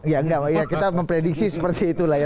ya kita memprediksi seperti itulah ya